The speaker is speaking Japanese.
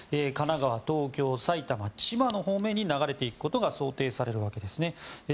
神奈川、東京、埼玉千葉の方面に流れていくことが想定されるわけです。